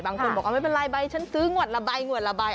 บางคนบอกเอาไม่เป็นไรใบฉันซื้องวดละใบงวดละใบ